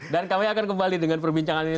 dan kami akan kembali dengan perbincangan ini